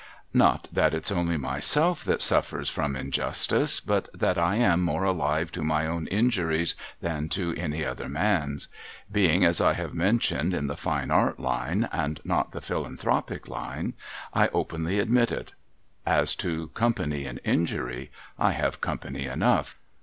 Not that it's only myself that suffers from injustice, but that I am more alive to my own injuries than to any other man's. Being, as I have mentioned, in the Fine ,\rt line, and not the Philanthropic line, I openly admit it. As to company in injury, I have comi)any enough.